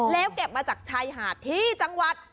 แล้วเก็บมาจากชายหาดที่จังหวัด